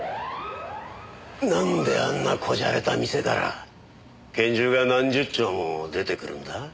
なんであんな小洒落た店から拳銃が何十丁も出てくるんだ？